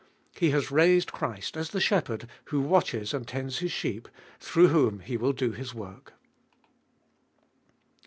He has raised Christ, as the Shepherd, who watches and tends His sheep, through whom He will do His work.